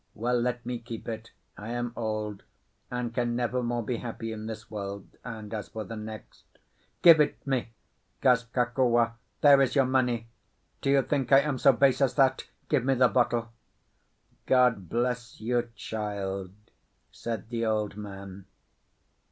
Well, let me keep it. I am old, and can never more be happy in this world, and as for the next—" "Give it me!" gasped Kokua. "There is your money. Do you think I am so base as that? Give me the bottle." "God bless you, child," said the old man.